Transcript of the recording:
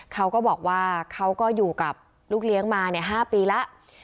เขาก็บอกว่าเขาก็อยู่กับลูกเลี้ยงมา๕ปีแล้ว